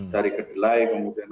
dari kedelai kemudian